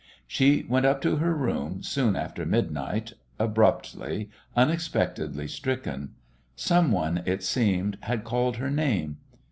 She went up to her room soon after midnight, abruptly, unexpectedly stricken. Some one, it seemed, had called her name.